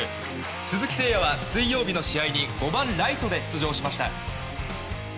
鈴木誠也は水曜日の試合に５番ライトで出場しました。